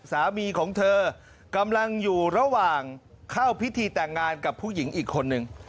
สามีของเธอกำลังอยู่ระหว่างเข้าพิธีแต่งงานกับผู้หญิงอีกคนนึง